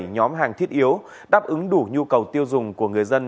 một mươi bảy nhóm hàng thiết yếu đáp ứng đủ nhu cầu tiêu dùng của người dân